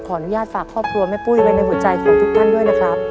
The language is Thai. อนุญาตฝากครอบครัวแม่ปุ้ยไว้ในหัวใจของทุกท่านด้วยนะครับ